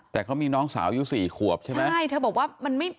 แต่เขามีน้องสาววัย๔ขวบใช่ไหม